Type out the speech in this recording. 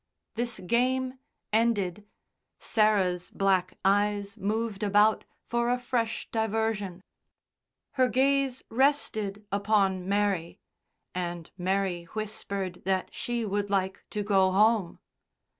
This game ended, Sarah's black eyes moved about for a fresh diversion; her gaze rested upon Mary, and Mary whispered that she would like to go home.